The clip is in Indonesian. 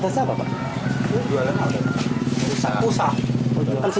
terus pak yang bapak tahu